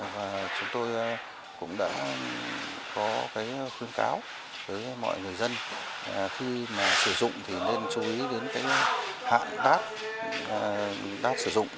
và chúng tôi cũng đã có khuyến cáo với mọi người dân khi mà sử dụng thì nên chú ý đến hạm đát sử dụng